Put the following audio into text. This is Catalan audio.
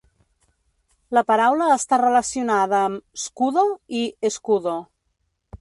La paraula està relacionada amb "scudo" i "escudo".